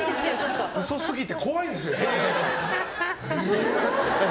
嘘すぎて怖いんですよ、へが。